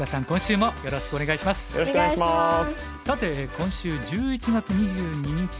さて今週１１月２２日